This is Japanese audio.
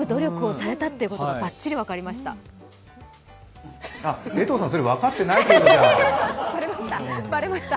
長野がすごく努力をされたってことがばっちり分かりました。